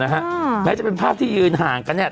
แม้จะเป็นภาพที่ยืนห่างกันเนี่ย